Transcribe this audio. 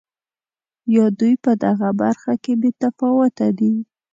یا دوی په دغه برخه کې بې تفاوته دي.